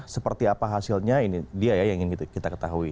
seperti apa hasilnya ini dia ya yang ingin kita ketahui